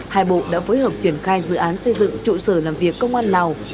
hai bộ đã phối hợp triển khai dự án xây dựng trụ sở làm việc công an lào